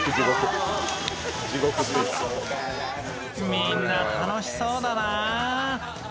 みんな楽しそうだなぁ。